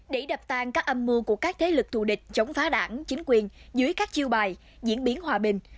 để đập tàn các âm mưu của các thế lực thù địch chống phá đảng chính quyền dưới các chiêu bài diễn biến hòa bình